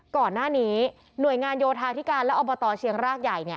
ก่อนหน้านี้หน่วยงานโยธาธิการและอบตเชียงรากใหญ่